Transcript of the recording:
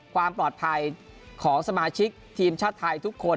ความปลอดภัยของสมาชิกทีมชาติไทยทุกคน